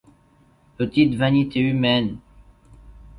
Petites vanités humaines !